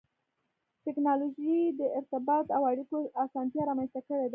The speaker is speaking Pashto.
ټکنالوجي د ارتباط او اړیکو اسانتیا رامنځته کړې ده.